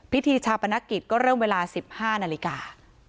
พิธีชาปนกิจก็เริ่มเวลา๑๕นาฬิกา